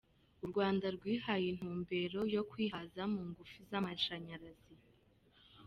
U Rwanda rwihaye intumbero yo kwihaza mu ngufu z’amashanyarazi.